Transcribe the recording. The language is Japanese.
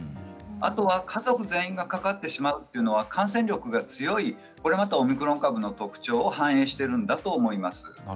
あとは家族全員がかかってしまうというのは感染力が強い、これまたオミクロン株の特徴を反映しているんだと思います。